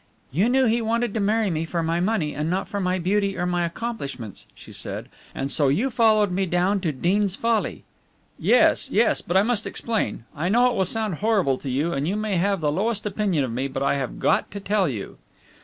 "You knew he wanted to marry me for my money and not for my beauty or my accomplishments," she said, "and so you followed me down to Deans Folly." "Yes, yes, but I must explain. I know it will sound horrible to you and you may have the lowest opinion of me, but I have got to tell you."